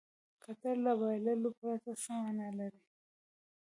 ګټل له بایللو پرته څه معنا لري.